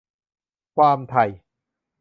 ความ "ไทย"